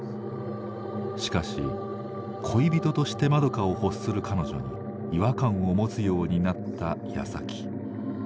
しかし恋人としてまどかを欲する彼女に違和感を持つようになったやさき。